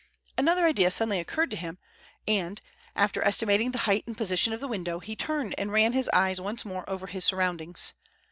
Another idea suddenly occurred to him and, after estimating the height and position of the window, he turned and ran his eye once more over his surroundings.